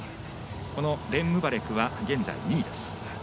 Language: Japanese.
このベンムバレクは現在２位です。